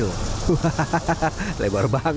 hahaha lebar banget tuh mulutnya